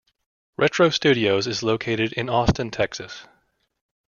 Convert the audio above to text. Retro Studios is located in Austin, Texas.